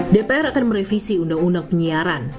dpr akan merevisi undang undang penyiaran